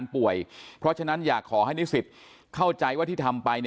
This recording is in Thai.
เพราะฉะนั้นอยากขอให้นิสิตเข้าใจว่าที่ทำไป